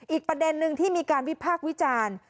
อีกประเด็นนึงที่มีการวิพากษ์วิจารณ์